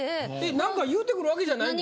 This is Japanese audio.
何か言うてくるわけじゃないんでしょ？